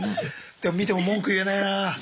でも見ても文句言えないな。